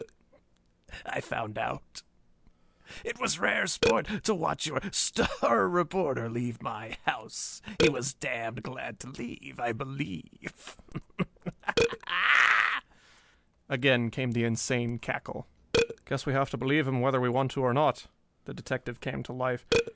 I found out. It was rare sport to watch your star reporter leave my house. He was damned glad to leave, I believe...." Again came the insane cackle. "Guess we have to believe him whether we want to or not." The detective came to life.